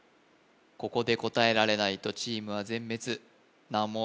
ここで答えられないとチームは全滅難問